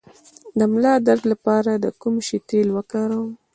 د ملا درد لپاره د کوم شي تېل وکاروم؟